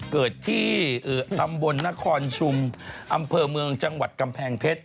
เกิดที่ตำบลนครชุมอำเภอเมืองจังหวัดกำแพงเพชร